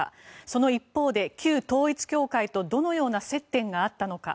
その一方で旧統一教会とどのような接点があったのか。